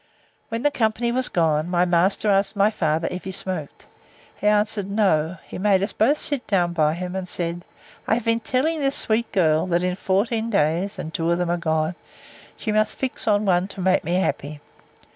When the company was gone, my master asked my father, if he smoked? He answered, No. He made us both sit down by him, and said, I have been telling this sweet girl, that in fourteen days, and two of them are gone, she must fix on one to make me happy.